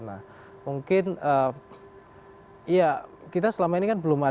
nah mungkin ya kita selama ini kan belum ada